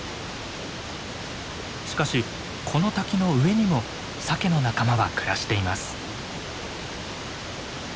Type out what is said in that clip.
しかしこの滝の上にもサケの仲間は暮らしています。